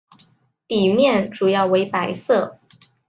底面主要为白色。